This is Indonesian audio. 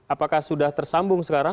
apakah sudah tersambung sekarang